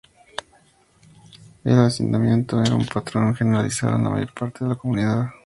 El hacinamiento era un patrón generalizado en la mayor parte de la comunidad.